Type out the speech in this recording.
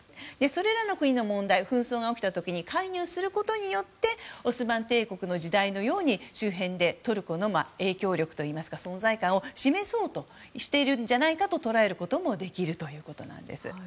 それらの国の問題紛争が起きた時に介入することによってオスマン帝国の時代のように周辺でトルコの影響力というか存在感を示そうとしているんじゃないかと捉えることもできるということなんです。